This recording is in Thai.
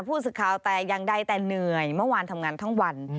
ผู้สื่อข่าวแต่อย่างใดแต่เหนื่อยเมื่อวานทำงานทั้งวัน